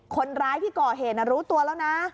คนร้ายที่ก่อเหตุรู้ตัวแล้วนะ